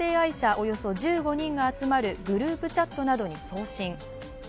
およそ１５人が集まるグループチャットなどに送信。